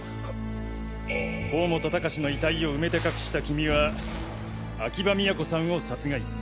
甲本高士の遺体を埋めて隠したキミは秋葉都さんを殺害。